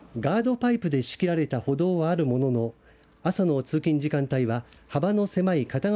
パイプで仕切られた歩道はあるものの朝の通勤時間帯は幅の狭い片側